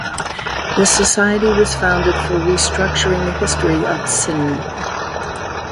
This Society was founded for restructuring the history of Sindh.